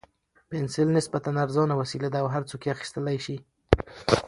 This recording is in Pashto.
پنسل نسبتاً ارزانه وسیله ده او هر څوک یې اخیستلای شي.